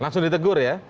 langsung ditegur ya